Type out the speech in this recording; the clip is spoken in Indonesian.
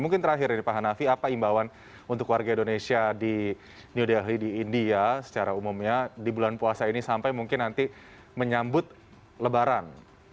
mungkin terakhir ini pak hanafi apa imbauan untuk warga indonesia di new delhi di india secara umumnya di bulan puasa ini sampai mungkin nanti menyambut lebaran